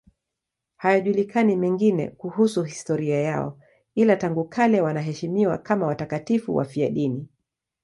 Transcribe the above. Hayajulikani mengine kuhusu historia yao, ila tangu kale wanaheshimiwa kama watakatifu wafiadini.